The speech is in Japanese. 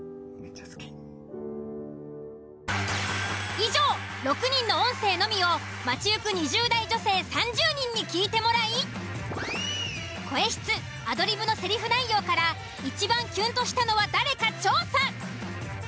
以上６人の音声のみを街行く２０代女性３０人に聞いてもらい声質アドリブのセリフ内容からいちばんキュンとしたのは誰か調査。